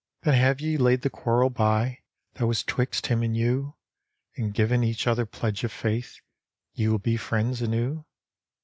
" Then have ye laid the quarrel by That was 'twixt him and you. And given each other pledge of faith Ye will be friends anew?